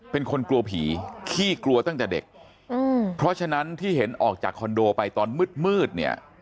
เป็นคนกลัวผีขี้กลัวตั้งแต่เด็กเพราะฉะนั้นที่เห็นออกจากคอนโดไปตอนมืดมืดเนี่ย